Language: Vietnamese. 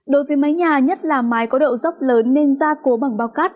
đối với mái nhà nhất là mái có độ dốc lớn nên ra cố bằng bao cát